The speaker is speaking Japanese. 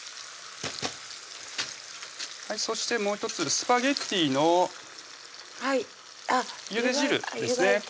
そしてもう１つスパゲッティのゆで汁ですね